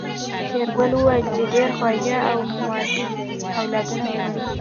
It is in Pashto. فریدګل وویل چې ډېر خواږه او مودب اولادونه لرې